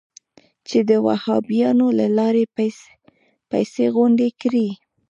چې د وهابیانو له لارې پیسې غونډې کړي.